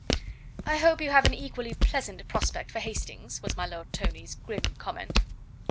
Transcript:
"I hope you have an equally pleasant prospect for Hastings," was my Lord Tony's grim comment.